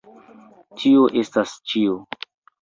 Tio estas ĉio.